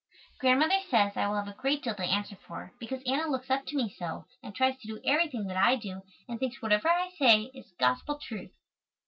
Grandmother says I will have a great deal to answer for, because Anna looks up to me so and tries to do everything that I do and thinks whatever I say is "gospel truth."